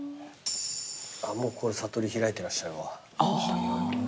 もうこれ悟り開いてらっしゃるわ。